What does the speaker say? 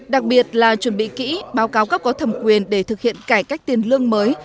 đặc biệt là chuẩn bị kỹ báo cáo cấp có thẩm quyền để thực hiện cải cách tiền lương mới